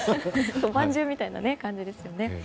おまんじゅうみたいな感じですよね。